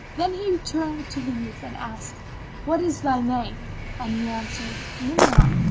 Then he turned to the youth and asked, "What is thy name?"; and he answered "Ni'amah."